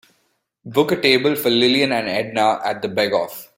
book a table for lillian and edna at The Berghoff